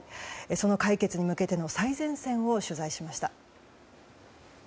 その解決に向けての最前線を取材しました。